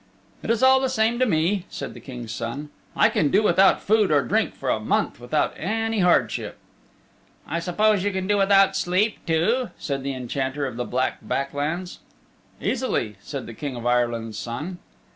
"It is all the same to me," said the King's Son, "I can do without food or drink for a month without any hardship." "I suppose you can do without sleep too?" said the Enchanter of the Black Back Lands. "Easily," said the King of Ireland's Son.